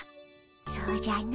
そうじゃの。